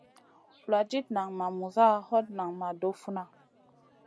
Vuladid nan ma muza, hot nan ma doh funa.